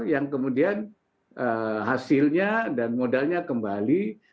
yang kemudian hasilnya dan modalnya kembali